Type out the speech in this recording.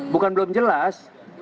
bukan belum jelas